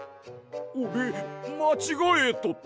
おれまちがえとった？